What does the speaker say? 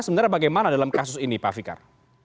sebenarnya bagaimana dalam kasus ini pak fikar